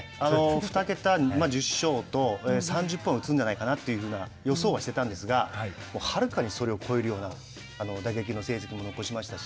２桁１０勝と３０本打つんじゃないかなっていうふうな予想はしてたんですがはるかにそれを超えるような打撃の成績も残しましたし。